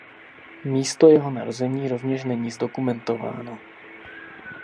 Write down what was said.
Místo jeho narození rovněž není zdokumentováno.